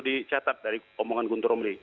dicatat dari omongan guntur romli